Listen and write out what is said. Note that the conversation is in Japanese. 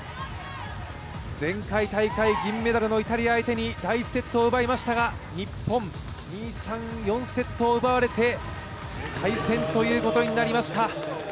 前回大会銀メダルのイタリア相手に第１セットを奪いましたが、日本、２、３、４セットを奪われて敗戦ということになりました。